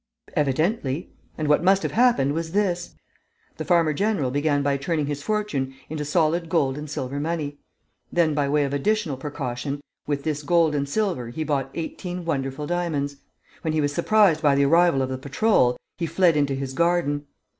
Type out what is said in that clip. "Evidently. And what must have happened was this: the farmer general began by turning his fortune into solid gold and silver money. Then, by way of additional precaution, with this gold and silver he bought eighteen wonderful diamonds. When he was surprised by the arrival of the patrol, he fled into his garden.